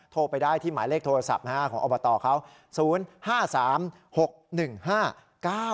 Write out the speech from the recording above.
โทรไปได้ที่หมายเลขโทรศัพท์นะฮะของอบตเขา๐๕๓๖๑๕๙๘๗คุณสวยไหมล่ะ